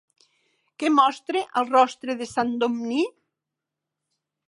Què mostra el rostre de Sant Domní?